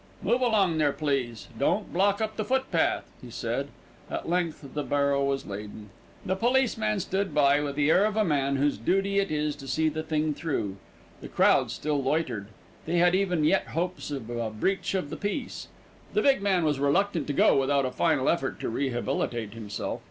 "Move along there, please. Don't block up the footpath," he said. At length the barrow was laden. The policeman stood by with the air of a man whose duty it is to see the thing through. The crowd still loitered. They had even yet hopes of a breach of the peace. The big man was reluctant to go without a final effort to rehabilitate himself.